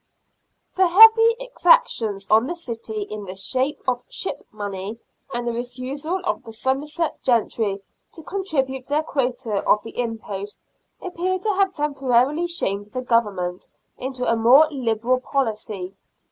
The heavy exactions on the city in the shape of ship money, and the refusal of the Somerset gentry to contribute their quota of the impost, appear to have temporarily shamed the Government into a more liberal policy.